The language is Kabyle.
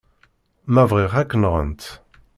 Ma bɣiɣ, ad k-nɣent.